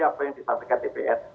apa yang disampaikan dpr